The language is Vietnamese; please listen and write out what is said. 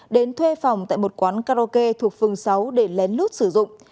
đến thuê phòng tại một quán karaoke thuộc phường sáu để lén lút sử dụng